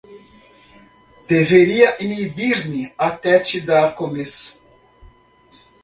deveria inibir-me até de dar começo.